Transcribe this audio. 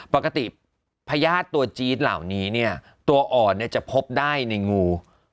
พญาติตัวจี๊ดเหล่านี้เนี่ยตัวอ่อนจะพบได้ในงู